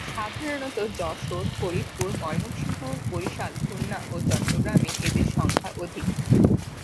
সাধারণত যশোর, ফরিদপুর, ময়মনসিংহ, বরিশাল, খুলনা ও চট্টগ্রামে এদের সংখ্যা অধিক।